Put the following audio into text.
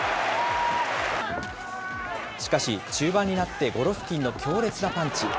しかし、中盤になってゴロフキンの強烈なパンチ。